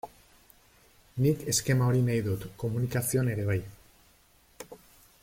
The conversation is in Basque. Nik eskema hori nahi dut komunikazioan ere bai.